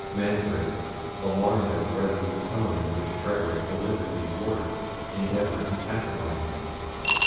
Manfred, alarmed at the resolute tone in which Frederic delivered these words, endeavoured to pacify him.